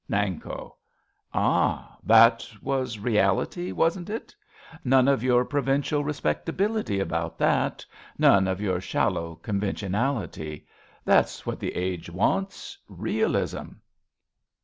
Nanko. Ah, that was reality, wasn't it ? None of your provincial respectability about that, none of your shallow convention ality ! That's what the age wants — realism